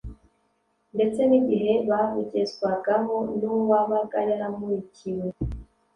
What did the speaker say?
ndetse n’igihe babugezwagaho n’uwabaga yaramurikiwe